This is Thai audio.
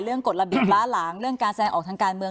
กฎระเบียบล้าหลางเรื่องการแสดงออกทางการเมือง